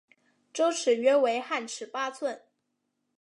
周尺约为汉尺八寸。